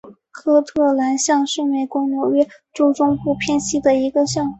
科特兰县是美国纽约州中部偏西的一个县。